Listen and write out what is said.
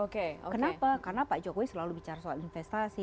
kenapa karena pak jokowi selalu bicara soal investasi